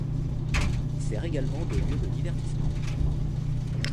Il sert également de lieu de divertissement.